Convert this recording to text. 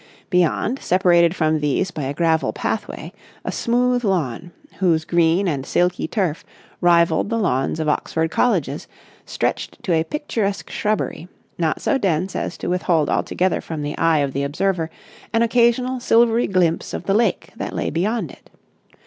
Beyond, separated from these by a gravel pathway, a smooth lawn, whose green and silky turf rivalled the lawns of Oxford colleges, stretched to a picturesque shrubbery, not so dense as to withhold altogether from the eye of the observer an occasional silvery glimpse of the lake that lay behind it.